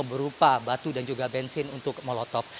seperti apa batu dan juga bensin untuk molotov